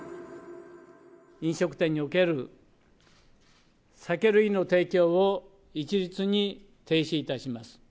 飲食店における酒類の提供を一律に停止いたします。